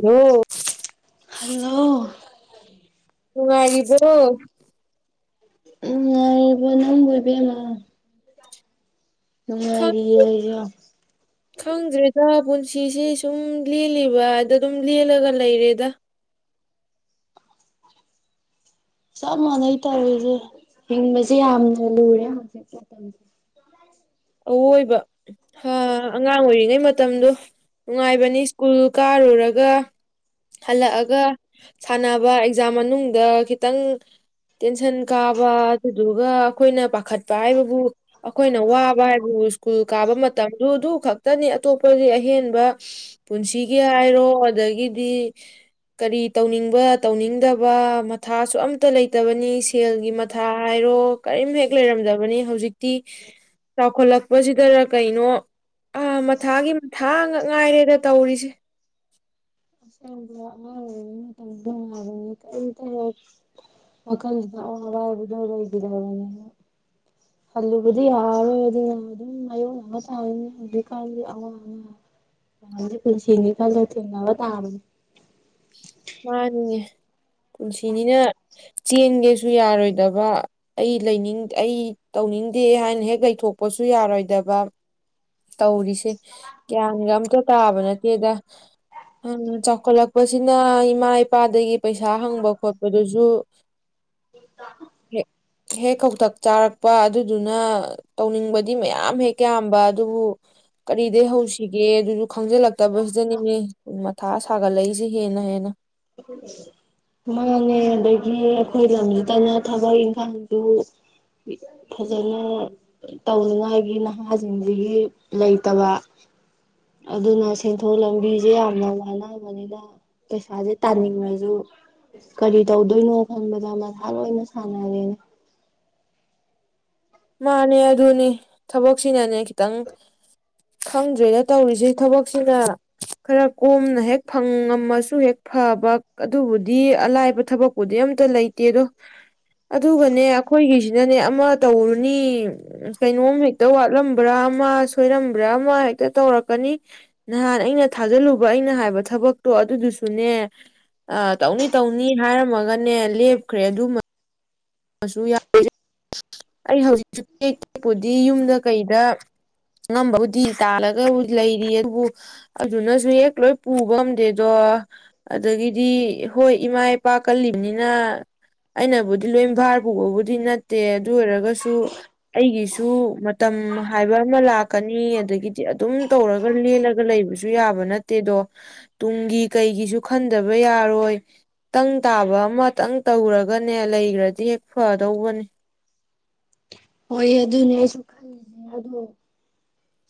ꯍꯂ ꯍꯜꯂꯣ ꯍ ꯍꯥꯏꯗꯨ ꯎꯝꯔꯤꯕ ꯅꯝꯕꯣꯏꯕꯃ ꯦ ꯈꯪꯗ꯭ꯔꯦꯗꯥ ꯄꯨꯟ ꯁꯤꯁꯦ ꯁꯨꯝ ꯂꯦꯜꯂꯤꯕ ꯑꯗ ꯑꯗꯨꯝ ꯂꯦꯜꯂꯒ ꯂꯩꯔꯦꯗ ꯆꯞ ꯃꯥꯟꯅꯩ ꯇꯧꯔꯔꯤꯁꯦ ꯍꯤꯡꯕꯁꯦ ꯌꯥꯝꯅ ꯂꯨꯔꯦ ꯃꯁꯤꯁ ꯑꯋꯣꯏꯕ ꯑꯉꯥꯡ ꯑꯣꯏꯔꯤꯉꯩ ꯃꯇꯝꯗꯣ ꯅꯨꯡꯉꯥꯏꯕꯅꯤ ꯁ꯭ꯀꯨꯜ ꯀꯥꯔꯨꯔꯒ ꯑꯂꯑꯒ ꯁꯥꯟꯅꯕ ꯑꯦꯛꯖꯥꯝ ꯃꯅꯨꯡꯗ ꯈꯤꯇꯪ ꯇꯦꯟꯁꯟ ꯀꯥꯕ ꯑꯗꯨꯗꯨꯒ ꯑꯩꯈꯣꯏꯅ ꯄꯥꯈꯠꯄ ꯍꯥꯏꯕꯕꯨ ꯑꯩꯈꯣꯏꯅ ꯋꯥꯕ ꯕꯥꯏꯕꯨ ꯁ꯭ꯀꯨꯜ ꯀꯥꯕ ꯃꯇꯝꯗꯨ ꯑꯗꯨ ꯈꯛꯇꯅꯤ ꯑꯇꯣꯞꯄꯗꯤ ꯑꯍꯦꯟꯕ ꯄꯨꯟꯁꯤꯒꯤ ꯍꯥꯏꯔꯣ ꯑꯗꯒꯤꯗꯤ ꯀꯔꯤ ꯇꯧꯅꯤꯡꯕ ꯇꯧꯅꯤꯡꯗꯕ ꯃꯊꯥꯁꯨ ꯑꯝꯇ ꯂꯩꯇꯕꯅꯤ ꯁꯦꯜꯒꯤ ꯃꯊꯥ ꯍꯥꯏꯔꯣ ꯀꯔꯤꯝ ꯍꯦꯛ ꯂꯩꯔꯝꯗꯕꯅꯤ ꯍꯧꯖꯤꯛꯇꯤ ꯆꯥꯎꯈꯠꯂꯛꯄꯁꯤꯗ ꯀꯩꯅꯣ ꯑꯥ ꯃꯊꯥꯒꯤ ꯃꯊꯥ ꯉꯛ ꯉꯥꯏꯔꯦꯗ ꯇꯧꯔꯤꯁꯦ ꯑꯁꯦꯡꯕ ꯑꯉꯥꯡ ꯑꯣꯏꯔꯤꯉꯩ ꯃꯇꯝ ꯅꯨꯡꯉꯥꯏꯕꯅꯤ ꯀꯔꯤꯇ ꯍꯦꯛ ꯋꯥꯈꯜꯗꯨꯗ ꯑꯋꯥꯋꯥꯏꯕꯗꯣ ꯂꯩꯈꯤꯗꯕꯅꯤ ꯍꯜꯂꯨꯕꯗꯤ ꯌꯥꯔꯣꯏ ꯑꯗꯨꯅ ꯑꯗꯨꯝ ꯃꯥꯥꯏꯌꯣꯛꯅꯕ ꯇꯥꯅꯤ ꯍꯧꯖꯤꯛꯀꯥꯟꯗꯤ ꯑꯋꯥ ꯑꯅꯥꯗꯤ ꯄꯨꯟꯁꯤꯅꯤꯀꯥꯟꯗ ꯊꯦꯡꯅꯕ ꯇꯥꯕꯅꯤ ꯃꯥꯅꯤꯅꯦ ꯄꯨꯟꯁꯤꯅꯤꯅ ꯆꯦꯟꯒꯦꯁꯨ ꯌꯥꯔꯣꯏꯗꯕ ꯑꯩ ꯂꯩꯅꯤꯡ ꯑꯩ ꯇꯧꯅꯤꯡꯗꯦ ꯍꯥꯏꯅ ꯍꯦꯛ ꯂꯩꯊꯣꯛꯄꯁꯨ ꯌꯥꯔꯣꯏꯗꯕ ꯇꯧꯔꯤꯁꯦ ꯒ꯭ꯌꯥꯟꯒ ꯑꯝꯇ ꯇꯥꯕ ꯅꯠꯇꯦꯗ ꯆꯥꯎꯈꯠꯂꯛꯄꯁꯤꯅ ꯏꯃꯥ ꯏꯄꯥꯗꯒꯤ ꯄꯩꯁꯥ ꯍꯪꯕ ꯈꯣꯠꯄꯗꯨꯁꯨ ꯍꯦꯛ ꯍꯦꯛ ꯀꯧꯇꯛ ꯆꯥꯔꯛꯄ ꯑꯗꯨꯗꯨꯅ ꯇꯧꯅꯤꯡꯕꯗꯤ ꯃꯌꯥꯝ ꯍꯦꯛ ꯌꯥꯝꯕ ꯑꯗꯨꯕꯨ ꯀꯔꯤꯗꯒꯤꯩ ꯍꯧꯁꯤꯒꯦ ꯑꯗꯨꯁꯨ ꯈꯪꯖꯤꯜꯂꯛꯇꯕꯁꯤꯗꯅꯤꯅꯦ ꯃꯊꯥ ꯁꯥꯒꯠꯂꯛꯏꯁꯦ ꯍꯦꯟꯅ ꯍꯦꯟꯅ ꯃꯥꯡꯉꯦ ꯑꯗꯒꯤ ꯑꯩꯈꯣꯏ ꯂꯝꯁꯤꯗꯅ ꯊꯕꯛ ꯏꯪꯈꯥꯡꯁꯨ ꯐꯖꯅ ꯇꯧꯅꯤꯡꯉꯥꯏꯒꯤ ꯅꯍꯥꯁꯤꯡꯁꯤꯒꯤ ꯂꯩꯇꯕ ꯑꯗꯨꯅ ꯁꯦꯟꯊꯣꯛ ꯂꯝꯕꯤꯁꯦ ꯌꯥꯝꯅ ꯋꯥꯅꯕꯅꯤꯅ ꯄꯩꯁꯥꯁꯦ ꯇꯥꯅꯤꯡꯉꯁꯨ ꯀꯔꯤ ꯇꯧꯗꯣꯏꯅꯣ ꯈꯪꯕꯗ ꯃꯁꯥ ꯂꯣꯏꯅ ꯁꯥꯟꯅꯔꯦꯅ ꯃꯥꯅꯦ ꯑꯗꯨꯅꯦ ꯊꯕꯛꯁꯤꯅꯅꯦ ꯈꯤꯇꯪ ꯈꯪꯗ꯭ꯔꯦꯅ ꯇꯧꯔꯤꯁꯦ ꯊꯕꯛꯁꯤꯅ ꯈꯔ ꯀꯣꯝꯅ ꯍꯦꯛ ꯐꯪꯉꯝꯃꯁꯨ ꯍꯦꯛ ꯐꯕ ꯑꯗꯨꯕꯨꯗꯤ ꯑꯂꯥꯏꯕ ꯊꯕꯛꯄꯨꯗꯤ ꯑꯝꯇ ꯂꯩꯇꯦ ꯑꯗꯣ ꯑꯗꯨꯒꯅꯦ ꯑꯩꯈꯣꯏꯒꯤꯁꯤꯅꯅꯦ ꯑꯃ ꯇꯧꯔꯨ ꯀꯩꯅꯣꯝ ꯍꯦꯛꯇ ꯋꯥꯠꯂꯝꯕ꯭ꯔꯥ ꯑꯃ ꯁꯣꯏꯔꯝꯕ꯭ꯔꯥ ꯑꯃ ꯍꯦꯛꯇ ꯇꯧꯔꯛꯀꯅꯤ ꯅꯍꯥꯟ ꯑꯩꯅ ꯊꯥꯖꯤꯜꯂꯨꯕ ꯑꯩꯅ ꯍꯥꯏꯕ ꯊꯕꯛꯇꯣ ꯑꯗꯨꯗꯨꯁꯨꯅꯦ ꯇꯧꯅꯤ ꯇꯧꯅꯤ ꯍꯥꯏꯔꯝꯃꯒꯅꯦ ꯂꯦꯞꯈ꯭ꯔꯦ ꯑꯗꯨꯃ ꯑꯩ ꯍꯧꯖꯤꯛꯁꯨꯦꯛ ꯇꯦꯛꯄꯨꯗꯤ ꯌꯨꯝꯗ ꯀꯩꯗ ꯉꯝꯕꯕꯨꯗꯤ ꯇꯥꯜꯂꯒ ꯂꯩꯔꯤ ꯑꯗꯨꯕꯨ ꯑꯗꯨꯅꯁꯨ ꯍꯦꯛ ꯂꯣꯏ ꯄꯨꯕ ꯉꯝꯗꯦꯗꯣ ꯑꯗꯒꯤꯗꯤ ꯍꯣꯏ ꯏꯃꯥ ꯏꯄꯥ ꯀꯜꯂꯤꯕꯅꯤꯅ ꯑꯩꯅꯕꯨꯗꯤ ꯂꯣꯏ ꯚꯥꯔ ꯄꯨꯕꯕꯨꯗꯤ ꯅꯠꯇꯦ ꯑꯗꯨ ꯑꯣꯏꯔꯒꯁꯨ ꯑꯩꯒꯤꯁꯨ ꯃꯇꯝ ꯍꯥꯏꯕ ꯑꯃ ꯂꯥꯛꯀꯅꯤ ꯑꯗꯒꯤꯗꯤ ꯑꯗꯨꯝ ꯇꯧꯔꯒ ꯂꯦꯜꯂꯒ ꯂꯩꯕꯁꯨ ꯌꯥꯕ ꯅꯠꯇꯦꯗꯣ ꯇꯨꯡꯒꯤ ꯀꯩꯒꯤꯁꯨ ꯈꯟꯗꯕ ꯌꯥꯔꯣꯏ ꯇꯪ ꯇꯥꯕ ꯑꯃꯇꯪ ꯇꯧꯔꯒꯅꯦ ꯂꯩꯈ꯭ꯔ ꯗꯤ ꯍꯦꯛ ꯐꯗꯧꯕꯅꯦ ꯍꯣꯏ ꯑꯗꯨꯅꯦ ꯑꯩꯁꯨ ꯈꯜꯂꯤꯁꯦ ꯑꯗꯣ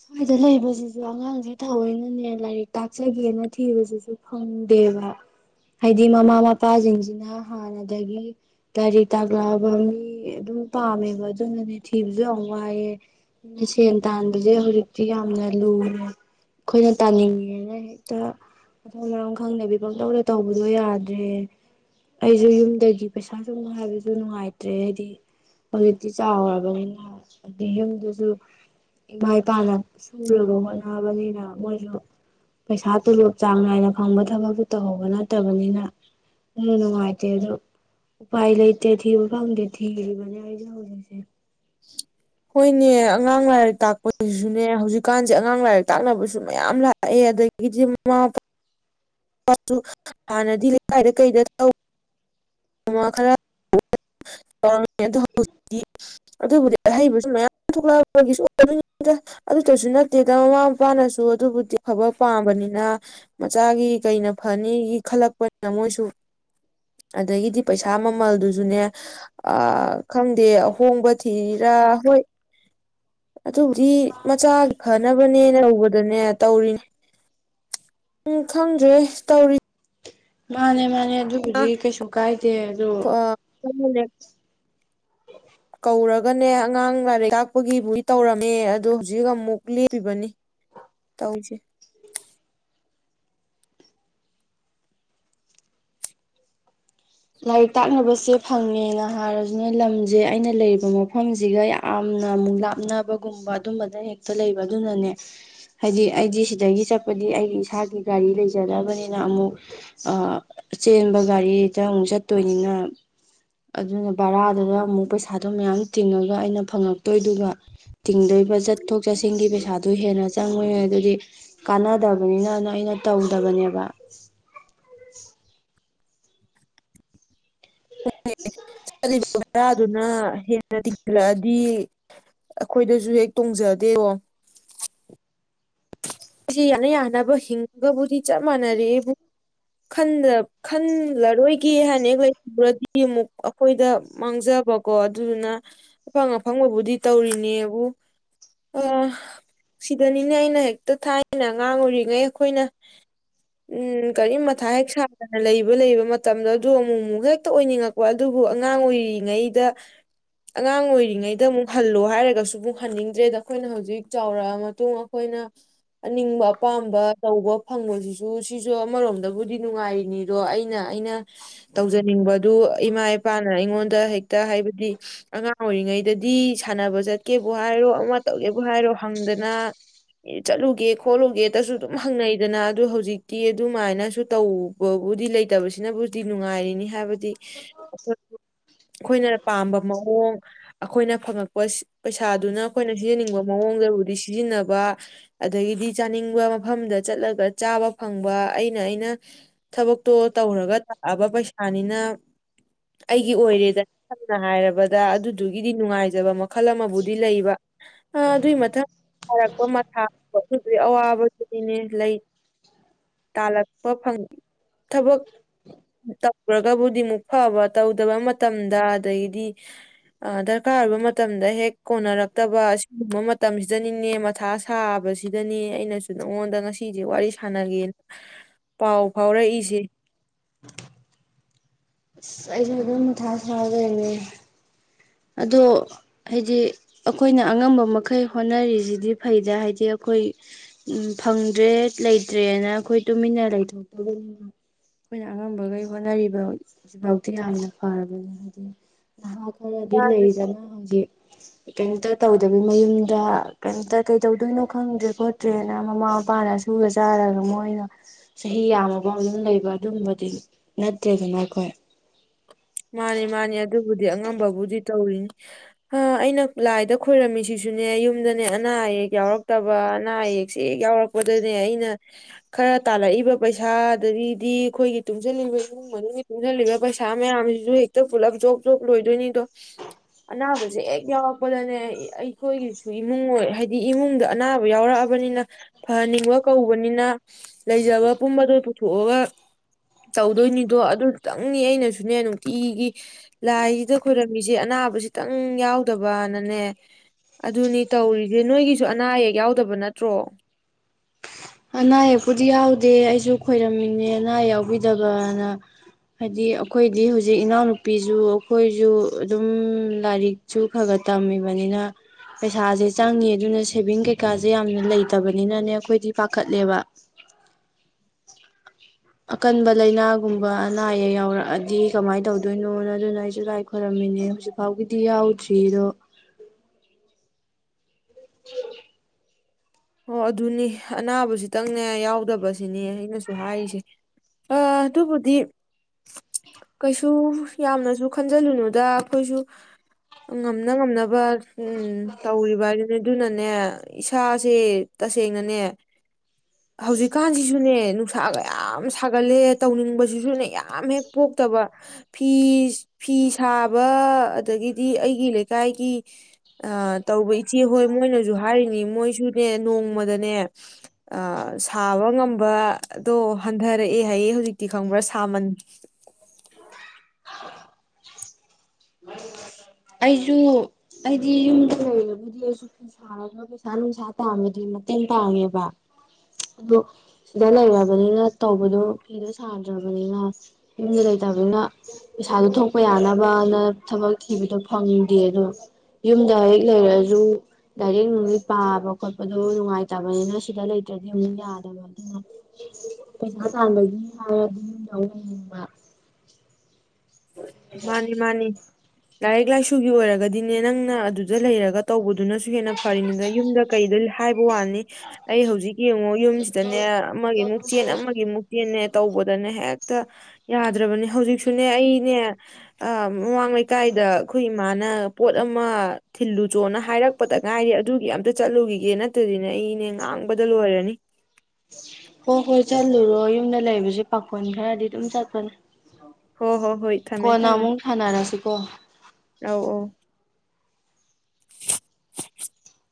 ꯁ꯭ꯋꯥꯏꯗ ꯂꯩꯕꯁꯤꯁꯨ ꯑꯉꯥꯡꯁꯦ ꯊꯑꯣꯏꯅꯅꯦ ꯂꯥꯏꯔꯤꯛ ꯇꯥꯛꯆꯒꯦꯅ ꯊꯤꯕꯁꯤꯁꯨ ꯐꯪꯗꯦꯕ ꯍꯥꯏꯗꯤ ꯃꯃꯥ ꯃꯄꯥꯁꯤꯡꯁꯤꯅ ꯍꯥꯟꯅꯗꯒꯤ ꯂꯥꯏꯔꯤꯛ ꯇꯥꯛꯂꯛꯑꯕ ꯃꯤ ꯑꯗꯨꯝ ꯄꯥꯝꯃꯦꯕ ꯑꯗꯨꯅꯅꯦ ꯊꯤꯕꯁꯨ ꯌꯥꯝ ꯋꯥꯏꯑꯦ ꯑꯩꯅ ꯁꯦꯟ ꯇ ꯑꯗꯨꯁꯦ ꯍꯧꯖꯤꯛꯇꯤ ꯌꯥꯝꯅ ꯂꯨꯅꯦ ꯑꯩꯈꯣꯏꯅ ꯇꯥꯅꯤꯡꯉꯦꯅ ꯍꯦꯛꯇ ꯃꯊꯊꯧ ꯃꯔꯝ ꯈꯪꯗꯕꯤ ꯄꯝꯗꯧꯅ ꯇꯧꯕꯗꯣ ꯌꯥꯗ꯭ꯔꯦ ꯑꯩꯁꯨ ꯌꯨꯝꯗꯒꯤ ꯄꯩꯁꯥ ꯁꯨꯝꯕ ꯍꯥꯏꯕꯁꯨ ꯅꯨꯡꯉꯥꯏꯇ꯭ꯔꯦ ꯍꯥꯏꯗꯤ ꯍꯧꯖꯤꯛꯇꯤ ꯆꯥꯎ꯭ꯔꯔꯕꯅꯤꯅ ꯑꯗꯤ ꯌꯨꯝꯗꯁꯨ ꯏꯃꯥ ꯏꯄꯥꯅ ꯁꯨꯔꯕ ꯍꯣꯠꯅꯕꯅꯤꯅ ꯃꯣꯏꯁꯨ ꯄꯩꯁꯥ ꯇꯣꯂꯣꯞ ꯆꯥꯡ ꯅꯥꯏꯅ ꯐꯪꯕ ꯊꯕꯛꯇꯨ ꯇꯧꯍꯧꯕ ꯅꯠꯇꯕꯅꯤꯅ ꯌꯥꯝꯅ ꯅꯨꯡꯉꯥꯏꯇꯦ ꯑꯗꯨ ꯎꯄꯥꯏ ꯂꯩꯇꯦ ꯊꯤꯕ ꯐꯪꯗꯦ ꯊꯤꯔꯤꯕꯅꯤ ꯑꯩꯁꯦ ꯍꯧꯖꯤꯛꯁꯦ ꯍꯣꯏꯅꯦ ꯑꯉꯥꯡ ꯂꯥꯏꯔꯤꯛ ꯇꯥꯛꯄꯁꯤꯁꯨꯅꯦ ꯍꯧꯖꯤꯛꯀꯥꯟꯁꯦ ꯑꯉꯥꯡ ꯂꯥꯏꯔꯤꯛ ꯇꯥꯛꯅꯕꯁꯨ ꯃꯌꯥꯝ ꯂꯥꯛꯑꯦ ꯑꯗꯒꯤꯗꯤ ꯃꯃꯥ ꯃꯄꯥ ꯍꯥꯟꯅꯗꯤ ꯂꯩꯀꯥꯏꯗ ꯀꯩꯗ ꯇꯧ ꯃ ꯈꯔ ꯔꯝ ꯑꯣ ꯍꯧꯖꯤꯛꯇꯤ ꯑꯗꯨꯕꯨꯗꯤ ꯑꯍꯩꯕꯁꯨ ꯃꯌꯥꯝ ꯊꯣꯛꯂꯛꯄꯒꯤ ꯑꯗꯨꯇꯁꯨ ꯅꯠꯇꯦꯗ ꯃꯃꯥ ꯃꯄꯥꯅꯁꯨ ꯑꯗꯨꯕꯨꯗꯤ ꯐꯕ ꯄꯥꯝꯕꯅꯤꯅ ꯃꯆꯥꯒꯤ ꯀꯩꯅ ꯐꯅꯤꯒꯤ ꯈꯜꯂꯛꯄꯅꯤꯅ ꯃꯣꯏꯁꯨ ꯑꯗꯒꯤꯗꯤ ꯄꯩꯁꯥ ꯃꯃꯜꯗꯨꯁꯨꯅꯦ ꯑ ꯈꯪꯗꯦ ꯑꯍꯣꯡꯕ ꯊꯤꯔ ꯍꯣꯏ ꯑꯗꯨꯕꯨꯗꯤ ꯃꯆꯥꯒꯤ ꯐꯅꯕꯅꯦꯅ ꯎꯧꯕꯗꯅꯦ ꯇꯧꯔꯤꯅꯦ ꯎꯝ ꯈꯪꯗ꯭ꯔꯦ ꯇꯧꯔꯤ ꯃꯥꯅꯦ ꯃꯥꯅꯦ ꯑꯗꯨꯕꯨꯗꯤ ꯀꯩꯁꯨ ꯀꯥꯏꯗꯦ ꯑꯗꯨ ꯑꯟꯅ [unintelligible] ꯀꯧꯔꯛ ꯅꯦ ꯑꯉꯥꯡ ꯂꯥꯏꯔꯤꯛ ꯇꯥꯛꯄꯒꯤꯕꯨꯗꯤ ꯇꯧꯔꯝꯃꯦ ꯑꯗꯣ ꯍꯧꯖꯤꯛ ꯑꯃꯨꯛ ꯂꯦꯞꯄꯤꯕꯅꯤ ꯇꯧꯁꯦ ꯂꯥꯏꯔꯤꯛ ꯇꯥꯛꯅꯕꯁꯦ ꯐꯪꯉꯦꯅ ꯍꯥꯏꯔꯗꯨꯅ ꯂꯝꯁꯦ ꯑꯩꯅ ꯂꯩꯔꯤꯕ ꯃꯐꯝꯁꯤꯒ ꯌꯥꯝꯅ ꯑꯃꯨꯛ ꯂꯥꯞꯅꯕꯒꯨꯝꯕ ꯑꯗꯨꯝꯕꯗ ꯍꯦꯛꯇ ꯂꯩꯕ ꯑꯗꯨꯅꯅꯦ ꯍꯥꯏꯗꯤ ꯑꯩꯗꯤ ꯁꯤꯗꯒꯤ ꯆꯠꯄꯗꯤ ꯑꯩꯒꯤ ꯏꯁꯥꯒꯤ ꯒꯥꯔꯤ ꯂꯩꯖꯗꯕꯅꯤꯅ ꯑꯃꯨꯛ ꯆꯦꯟꯕ ꯒꯥꯔꯤ ꯈꯤꯇꯪ ꯑꯃꯨꯛ ꯆꯠꯇꯣꯏꯅꯤꯅ ꯑꯗꯨꯅ ꯚꯔꯥꯗꯨꯗ ꯑꯃꯨꯛ ꯄꯩꯁꯥꯗꯣ ꯃꯌꯥꯝ ꯇꯤꯡꯉꯒ ꯑꯩꯅ ꯐꯪꯉꯛꯇꯣꯏꯗꯨꯒ ꯇꯤꯡꯗꯣꯏꯕ ꯆꯠꯊꯣꯛ ꯆꯠꯁꯤꯟꯒꯤ ꯄꯩꯁꯥꯗꯣ ꯍꯦꯟꯅ ꯆꯪꯉꯣꯏ ꯑꯗꯨꯗꯤ ꯀꯥꯟꯅꯗꯕꯅꯤꯅꯅ ꯑꯩꯅ ꯇꯧꯗꯕꯅꯦꯕ ꯍ ꯑꯗꯨ ꯅ ꯍꯦꯟꯅ ꯊꯤꯡꯁꯤꯜꯂꯛꯑꯗꯤ ꯑꯩꯈꯣꯏꯗꯁꯨ ꯍꯦꯛ ꯇꯣꯡꯖꯗꯦꯕꯣ ꯑꯩꯁꯤ ꯌꯥꯅ ꯌꯥꯅꯕ ꯍꯤꯡꯒꯕꯨꯗꯤ ꯆꯞ ꯃꯥꯟꯅꯔꯦꯕꯨ ꯈꯜꯂꯔꯣꯏ ꯀ ꯍꯥꯏꯅꯤ ꯑꯩꯣꯏ ꯀꯤꯃꯨꯛ ꯑꯩꯈꯣꯏꯗ ꯃꯥꯡꯖꯕꯀꯣ ꯑꯗꯨꯗꯨꯅ ꯑꯐꯪ ꯑꯐꯪꯕꯕꯨꯗꯤ ꯇꯧꯔꯤꯅꯦꯕꯨ ꯁꯤꯗꯅꯤꯅꯦ ꯑꯩꯅ ꯍꯦꯛ ꯍꯦꯛꯇ ꯊꯥꯏꯅ ꯑꯉꯥꯡ ꯑꯣꯏꯔꯤꯉꯩ ꯑꯩꯈꯣꯏꯅ ꯀꯔꯤ ꯃꯊꯥ ꯍꯦꯛ ꯁꯥꯗꯅ ꯂꯩꯕ ꯂꯩꯕ ꯃꯇꯝꯗ ꯑꯗꯨꯣ ꯑꯃꯨꯛ ꯑꯃꯨꯛ ꯍꯦꯛꯇ ꯑꯣꯏꯅꯤꯡꯉꯛꯄ ꯑꯗꯨꯕꯨ ꯑꯉꯥꯡ ꯑꯣꯏꯔꯤꯉꯩꯗ ꯑꯉꯥꯡ ꯑꯣꯏꯔꯤꯉꯩꯗ ꯑꯃꯨꯛ ꯍꯜꯂꯣ ꯍꯥꯏꯔꯒꯁꯨ ꯑꯃꯨꯛ ꯍꯟꯅꯤꯡꯗ꯭ꯔꯦꯗ ꯑꯩꯈꯣꯏꯅ ꯍꯧꯖꯤꯛ ꯆꯥꯎꯔꯛꯑ ꯃꯇꯨꯡ ꯑꯩꯈꯣꯏꯅ ꯑꯅꯤꯡꯕ ꯑꯄꯥꯝꯕ ꯇꯧꯕ ꯐꯪꯕꯁꯤꯁꯨ ꯁꯤꯁꯨ ꯑꯃꯔꯣꯝꯗꯕꯨꯗꯤ ꯅꯨꯡꯉꯥꯏꯔꯤꯅꯤꯗꯣ ꯑꯩꯅ ꯑꯩꯅ ꯇꯧꯖꯅꯤꯡꯕꯗꯨ ꯏꯃꯥ ꯏꯄꯥꯅ ꯑꯩꯉꯣꯟꯗ ꯍꯦꯛꯇ ꯍꯥꯏꯕꯗꯤ ꯑꯉꯥꯡ ꯑꯣꯏꯔꯤꯉꯩꯗꯗꯤ ꯁꯥꯟꯅꯕ ꯆꯠꯀꯦꯕꯨ ꯍꯥꯏꯔꯣ ꯑꯃ ꯇꯧꯒꯦꯕꯨ ꯍꯥꯏꯔꯣ ꯍꯪꯗꯅ ꯑꯦ ꯆꯠꯂꯨꯒꯦ ꯈꯣꯠꯂꯨꯒꯦ ꯇꯁꯨ ꯑꯗꯨꯝ ꯍꯪꯅꯩꯗꯅ ꯑꯗꯨ ꯍꯧꯖꯤꯛꯇꯤ ꯑꯗꯨꯃꯥꯏꯅꯁꯨ ꯇꯧꯕꯕꯨꯗꯤ ꯂꯩꯇꯕꯁꯤꯅꯕꯨꯗꯤ ꯅꯨꯡꯉꯥꯏꯔꯤꯅꯤ ꯍꯥꯏꯕꯗꯤ ꯑꯩꯈꯣꯏꯅ ꯄꯥꯝꯕ ꯃꯑꯣꯡ ꯑꯩꯈꯣꯏꯅ ꯐꯪꯉꯛꯄ ꯄꯩꯁꯥꯗꯨꯅ ꯑꯩꯈꯣꯏꯅ ꯁꯤꯖꯟꯅꯅꯤꯡꯕ ꯃꯑꯣꯡꯗꯕꯨꯗꯤ ꯁꯤꯖꯤꯟꯅꯕ ꯑꯗꯒꯤꯗꯤ ꯆꯥꯅꯤꯡꯕ ꯃꯐꯝꯗ ꯆꯠꯂꯒ ꯆꯥꯕ ꯐꯪꯕ ꯑꯩꯅ ꯑꯩꯅ ꯊꯕꯛꯇꯣ ꯇꯧꯔꯒ ꯇꯥꯛꯑꯕ ꯄꯩꯁꯥꯅꯤꯅ ꯑꯩꯒꯤ ꯑꯣꯏꯔꯦꯗ ꯁꯝꯅ ꯍꯥꯏꯔꯕꯗ ꯑꯗꯨꯗꯨꯒꯤꯗꯤ ꯅꯨꯡꯉꯥꯏꯖꯕ ꯃꯈꯜ ꯑꯃꯕꯨꯗꯤ ꯂꯩꯕ ꯑꯗꯨꯏ ꯃꯊꯪ ꯍꯥꯏꯔꯛꯄ ꯊꯥ ꯑꯗꯨꯒꯤ ꯑꯋꯥꯕꯗꯨꯗꯤꯅꯦ ꯂꯩ ꯇꯥꯜꯂꯛꯄ ꯐꯪ ꯊꯕꯛ ꯇꯧꯈꯒꯕꯨꯗꯤ ꯑꯃꯨꯛ ꯐꯕ ꯇꯧꯗꯕ ꯃꯇꯝꯗ ꯑꯗꯒꯤꯗꯤ ꯗꯔꯀꯥꯔ ꯑꯣꯏꯕ ꯃꯇꯝꯗ ꯍꯦꯛ ꯀꯣꯟꯅꯔꯛꯇꯕ ꯑꯁꯤꯒꯨꯝꯕ ꯃꯇꯝꯁꯤꯗꯅꯤꯅꯦ ꯃꯊꯥ ꯁꯥꯕꯁꯤꯗꯅꯦ ꯑꯩꯅꯁꯨ ꯅꯉꯣꯟꯗ ꯉꯁꯤꯁꯦ ꯋꯥꯔꯤ ꯁꯥꯟꯅꯒꯦꯅ ꯄꯥꯎ ꯐꯥꯎꯔꯛꯏꯁꯦ ꯑꯩꯁꯨ ꯑꯗꯨ ꯃ ꯊꯥꯁ ꯍꯥꯏꯔꯒꯒꯦ ꯑꯗꯣ ꯍꯥꯏꯗꯤ ꯑꯩꯈꯣꯏꯅ ꯑꯉꯝꯕ ꯃꯈꯩ ꯍꯣꯠꯅꯔꯤꯁꯤꯗꯤ ꯐꯩꯗ ꯍꯥꯏꯗꯤ ꯑꯩꯈꯣꯏ ꯐꯪꯗ꯭ꯔꯦ ꯂꯩꯇ꯭ꯔꯦꯅ ꯑꯩꯈꯣꯏ ꯇꯨꯃꯤꯟꯅ ꯂꯩꯊꯣꯛꯇꯕꯅꯤꯅ ꯑꯩꯈꯣꯏꯅ ꯑꯉꯝꯕꯈꯩ ꯍꯣꯠꯅꯔꯤꯕ ꯍꯧꯖꯤꯛꯐꯥꯎꯗꯤꯤ ꯌꯥꯝꯅ ꯐꯔꯕꯅꯤ ꯍꯥꯏꯗꯤ ꯅꯍꯥ ꯃꯥꯅꯤ ꯂꯩꯗꯅ ꯍꯧꯖꯤꯛ ꯀꯩꯝꯇ ꯇꯧꯗꯕꯤ ꯃꯌꯨꯝꯗ ꯀꯩꯝꯇ ꯀꯩ ꯇꯧꯗꯣꯏꯅꯣ ꯈꯪꯗ꯭ꯔꯦ ꯈꯣꯠꯇ꯭ꯔꯦꯅ ꯃꯃꯥ ꯃꯄꯥꯅ ꯑ ꯁꯒ ꯆꯥꯔꯒ ꯃꯣꯏꯅ ꯆꯍꯤ ꯌꯥꯝꯃꯐꯥꯎ ꯑꯗꯨꯝ ꯂꯩꯕ ꯑꯗꯨꯝꯕꯗꯤ ꯅꯠꯇ꯭ꯔꯦꯗꯅ ꯑꯩꯈꯣꯏ ꯕꯨꯗꯤ ꯑꯉꯝꯕꯕꯨꯗꯤ ꯇꯧꯔꯤꯅꯦ ꯑꯩꯅ ꯂꯥꯏꯗ ꯈꯣꯏꯔꯝꯃꯤꯁꯤꯁꯨꯅꯦ ꯌꯨꯝꯗꯅꯦ ꯑꯅꯥ ꯑꯌꯦꯛ ꯌꯥꯎꯔꯛꯇꯕ ꯑꯅꯥ ꯑꯌꯦꯛꯁꯦ ꯍꯦꯛ ꯌꯥꯎꯔꯛꯄꯗꯅꯦ ꯑꯩꯅ ꯈꯔ ꯇꯥꯜꯂꯛꯏꯕ ꯄꯩꯁꯥ ꯑꯗꯒꯤꯗꯤ ꯑꯩꯈꯣꯏꯒꯤ ꯇꯨꯡꯁꯤꯜꯂꯤꯕ ꯏꯃꯨꯡ ꯃꯅꯨꯡꯒꯤ ꯇꯨꯡꯁꯤꯜꯂꯤꯕ ꯄꯩꯁꯥ ꯃꯌꯥꯝ ꯁꯨ ꯍꯦꯛꯇ ꯄꯨꯜꯂꯞ ꯖꯣꯕ ꯖꯣꯕ ꯂꯣꯏꯗꯣꯏꯅꯤꯗꯣ ꯑꯅꯥꯕꯁꯦ ꯍꯦꯛ ꯌꯥꯎꯔꯛꯄꯗꯅꯦ ꯑꯩꯈꯣꯏꯒꯤꯁꯨ ꯏꯃꯨꯡ ꯑꯣꯏ ꯍꯥꯏꯗꯤ ꯏꯃꯨꯡꯗ ꯑꯅꯥꯕ ꯌꯥꯎꯔꯛꯑꯕꯅꯤꯅ ꯐꯍꯟꯅꯤꯡꯕ ꯀꯧꯕꯅꯤꯅ ꯂꯩꯖꯕ ꯄꯨꯝꯕꯗꯣ ꯄꯨꯊꯣꯛꯑꯒ ꯇꯧꯗꯣꯏꯅꯤꯗꯣ ꯑꯗꯨꯇꯪꯅꯤ ꯑꯩꯅꯁꯨꯅꯦ ꯇꯤꯒꯤ ꯂꯥꯏꯁꯤꯗ ꯈꯣꯏꯔꯝꯃꯤꯁꯦ ꯑꯅꯥ ꯇꯪ ꯌꯥꯎꯗꯕꯅꯅꯦ ꯑꯗꯨꯅꯤ ꯇꯧꯔꯤꯁꯦ ꯅꯣꯏꯒꯤꯁꯨ ꯑꯅꯥ ꯑꯌꯦꯛ ꯌꯥꯎꯗꯕ ꯅꯠꯇ꯭ꯔꯣ ꯑꯅꯥ ꯑꯌꯦꯛꯄꯨꯗꯤ ꯌꯥꯎꯗꯦ ꯑꯩꯁꯨ ꯈꯣꯏꯔꯝꯃꯤꯅꯦ ꯑꯅꯥ ꯑꯌꯦꯛ ꯌꯥꯎꯕꯤꯗꯕꯅ ꯍꯥꯏꯗꯤ ꯑꯩꯈꯣꯏꯗꯤ ꯍꯧꯖꯤꯛ ꯏꯅꯥꯎꯅꯨꯄꯤꯁꯨ ꯑꯩꯈꯣꯏꯁꯨ ꯑꯗꯨꯝ ꯂꯥꯏꯔꯤꯛꯁꯨ ꯈꯔ ꯈꯔ ꯇꯝꯃꯤꯕꯅꯤꯅ ꯄꯩꯁꯥꯁꯦ ꯆꯪꯉꯤ ꯑꯗꯨꯅ ꯁꯦꯚꯤꯡ ꯀꯩꯀꯥꯁꯦ ꯌꯥꯝꯅ ꯂꯩꯇꯕꯅꯤꯅꯅꯦ ꯑꯩꯈꯣꯏꯗꯤ ꯄꯥꯈꯠꯂꯦꯕ ꯑꯀꯟꯕ ꯂꯥꯏꯅꯥꯒꯨꯝꯕ ꯑꯅꯥ ꯑꯌꯦꯛ ꯌꯥꯎꯔꯛꯑꯗꯤ ꯀꯃꯥꯏꯅ ꯇꯧꯗꯣꯏꯅꯣꯅ ꯑꯗꯨꯅ ꯑꯩꯁꯨ ꯂꯥꯏ ꯈꯣꯏꯔꯝꯃꯤꯅꯦ ꯍꯧꯖꯤꯛꯐꯥꯎꯒꯤꯗꯤ ꯌꯥꯎꯗ꯭ꯔꯤꯗꯣ ꯎ ꯑꯣ ꯑꯗꯨꯅꯤ ꯑꯅꯥꯕꯁꯤꯇꯪꯅꯦ ꯌꯥꯎꯗꯕꯁꯤꯅꯦ ꯑꯩꯅꯁꯨ ꯍꯥꯏꯔꯤꯁꯦ ꯑ ꯑꯗꯨꯕꯨꯗꯤ ꯀꯩꯁꯨ ꯌꯥꯝꯅꯁꯨ ꯈꯟꯖꯤꯜꯂꯨꯅꯨꯗ ꯑꯩꯈꯣꯏꯁꯨ ꯉꯝꯅ ꯉꯝꯅꯕ ꯎꯝ ꯇꯧꯔꯤꯕ ꯍꯥꯏꯗꯤ ꯑꯗꯨꯅꯅꯦ ꯏꯁꯥ ꯁꯦ ꯇꯁꯦꯡꯅꯅꯦ ꯍꯧꯖꯤꯛꯀꯥꯟꯁꯤꯁꯨꯅꯦ ꯅꯨꯡꯁꯥꯒ ꯌꯥꯝ ꯁꯥꯒꯠꯂꯦ ꯇꯧꯅꯤꯡꯕꯁꯤꯁꯨ ꯅ ꯌꯥꯝ ꯍꯦꯛ ꯄꯣꯛꯇꯕ ꯐ ꯐꯤ ꯁꯥꯕ ꯑꯗꯒꯤꯗꯤ ꯑꯩꯒꯤ ꯂꯩꯀꯥꯏꯒꯤ ꯇꯧꯕ ꯏꯆꯦ ꯍꯣꯏ ꯃꯣꯏꯅꯁꯨ ꯍꯥꯏꯔꯤꯅꯤ ꯃꯣꯏꯁꯨ ꯅꯦ ꯅꯣꯡꯃꯗꯅꯦ ꯁꯥꯕ ꯉꯝꯕꯗꯣ ꯍꯟꯊꯔꯛꯑꯦ ꯍꯌꯦ ꯍꯧꯖꯤꯛꯇꯤ ꯈꯪꯕ꯭ꯔꯥ ꯁꯥꯃꯟ ꯑꯩꯁꯨ ꯑꯩꯗꯤ ꯌꯨꯝꯗ ꯂꯩꯔꯕꯨꯗꯤ ꯑꯩꯁꯨ ꯐꯤ ꯁꯥꯔꯒ ꯄꯩꯁꯥ ꯅꯨꯡꯁꯥ ꯇꯥꯡꯕꯗꯤ ꯃꯇꯦꯡ ꯄꯥꯡꯉꯦꯕ ꯑꯗꯨꯣ ꯁꯤꯗ ꯂꯩꯔꯕꯅꯤꯅ ꯇꯧꯕꯗꯣ ꯐꯤꯗꯣ ꯁꯥꯗ꯭ꯔꯕꯅꯤꯅ ꯌꯨꯝꯗ ꯂꯩꯇꯕꯅꯤꯅ ꯄꯩꯁꯥꯗꯣ ꯊꯣꯛꯄ ꯌꯥꯅꯕꯅ ꯊꯕꯛ ꯊꯤꯕꯗꯣ ꯐꯪꯗꯦ ꯑꯗꯣ ꯌꯨꯝꯗ ꯍꯦꯛ ꯂꯩꯔꯁꯨ ꯗꯥꯏꯔꯦꯛ ꯅꯨꯡꯗꯤ ꯄꯥꯕ ꯈꯣꯠꯄꯗꯣ ꯅꯨꯡꯉꯥꯏꯇꯕꯅꯤꯅ ꯁꯤꯗ ꯂꯩꯇ꯭ꯔꯗꯤ ꯑꯃꯨꯛ ꯌꯥꯗꯕ ꯑꯗꯨꯅ ꯄꯩꯁꯥ ꯇꯥꯟꯕꯒꯤ ꯍꯥꯏꯔꯗꯤ ꯌꯨꯝꯗꯡꯕ ꯃꯥꯅꯤ ꯃꯥꯅꯤ ꯂꯥꯏꯔꯤꯛ ꯂꯥꯏꯁꯨꯒꯤ ꯑꯣꯏꯔꯒꯗꯤꯅꯦ ꯅꯪꯅ ꯑꯗꯨꯗ ꯂꯩꯔꯒ ꯇꯧꯕꯗ ꯑꯗꯨꯅꯁꯨ ꯍꯦꯟꯅ ꯐꯔꯤꯅꯤꯅ ꯌꯨꯝꯗ ꯀꯩꯗ ꯍꯥꯏꯕ ꯋꯥꯅꯤ ꯑꯩ ꯍꯧꯖꯤꯛ ꯌꯦꯡꯉꯣ ꯌꯨꯝꯁꯤꯗꯅꯦ ꯑꯃꯒꯤꯃꯨꯛ ꯆꯦꯟ ꯑꯃꯒꯤꯃꯨꯛ ꯆꯦꯟꯅꯦ ꯇꯧꯕꯗꯅꯦ ꯍꯦꯛꯇ ꯌꯥꯗ꯭ꯔꯕꯅꯦ ꯍꯧꯖꯤꯛꯁꯨꯅꯦ ꯑꯩꯅꯦ ꯑ ꯃꯃꯥꯡ ꯂꯩꯀꯥꯏꯗ ꯑꯩꯈꯣꯏ ꯏꯃꯥꯅ ꯄꯣꯠ ꯑꯃ ꯊꯤꯜꯂꯨ ꯆꯣꯅ ꯍꯥꯏꯔꯛꯄꯗ ꯉꯥꯏꯗꯤ ꯑꯗꯨꯒꯤ ꯑꯝꯇ ꯆꯠꯂꯨꯈꯤꯒꯦ ꯅꯠꯇꯗꯤꯅꯦ ꯑꯩꯅꯦ ꯉꯥꯡꯕꯗ ꯂꯣꯏꯔꯅꯤ ꯍꯣꯏ ꯍꯣꯏ ꯆꯠꯂꯨꯔꯣ ꯌꯨꯝꯗ ꯂꯩꯕꯁꯦ ꯄꯥꯈꯣꯟ ꯈꯔꯗꯤ ꯑꯗꯨꯝ ꯆꯠꯄꯅꯦ ꯍꯣ ꯍꯣ ꯍꯣꯏ ꯀꯣꯟꯅ ꯑꯃꯨꯛ ꯊꯥꯅꯔꯁꯤ ꯀꯣ ꯑ ꯑ